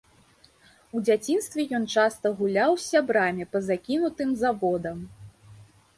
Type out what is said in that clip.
У дзяцінстве ён часта гуляў з сябрамі па закінутым заводам.